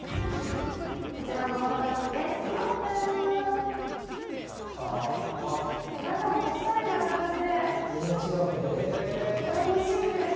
こちらもオートロックです。